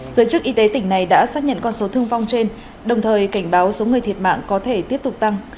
giới chức y tế tỉnh này đã xác nhận con số thương vong trên đồng thời cảnh báo số người thiệt mạng có thể tiếp tục tăng